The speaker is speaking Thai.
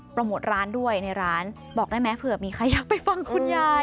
โมทร้านด้วยในร้านบอกได้ไหมเผื่อมีใครอยากไปฟังคุณยาย